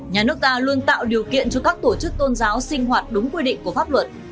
nhà nước ta luôn tạo điều kiện cho các tổ chức tôn giáo sinh hoạt đúng quy định của pháp luật